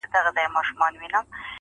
دوى به يو پر بل كوله گوزارونه!.